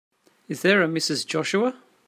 Is there a Mrs. Joshua?